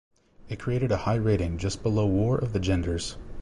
It created a high rating just below War of the Genders.